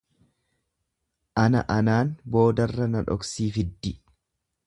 Ana anaan boodarra na dhoksii fiddi.